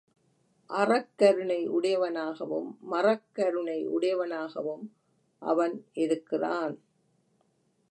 அறக் கருணை உடையவனாகவும், மறக் கருணை உடையவனாகவும் அவன் இருக்கிறான்.